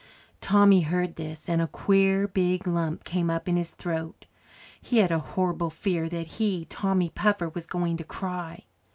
Tommy heard this, and a queer, big lump came up in his throat. He had a horrible fear that he, Tommy Puffer, was going to cry.